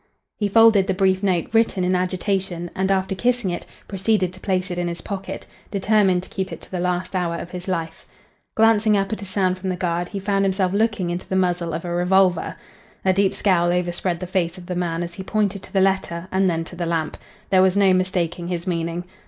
He folded the brief note, written in agitation, and, after kissing it, proceeded to place it in his pocket, determined to keep it to the last hour of his life. Glancing up at a sound from the guard, he found himself looking into the muzzle of a revolver. A deep scowl overspread the face of the man as he pointed to the letter and then to the lamp. There was no mistaking his meaning.